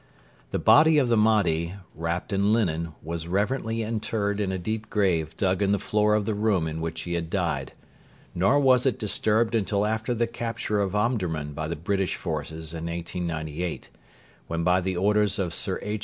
The body of the Mahdi, wrapped in linen, was reverently interred in a deep grave dug in the floor of the room in which he had died, nor was it disturbed until after the capture of Omdurman by the British forces in 1898, when by the orders of Sir H.